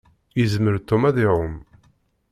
Yezmer Tom ad iɛumm.